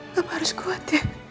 papa harus kuat ya